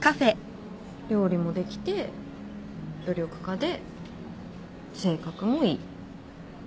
料理もできて努力家で性格もいい。